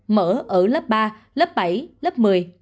mở ở lớp ba lớp bảy lớp một mươi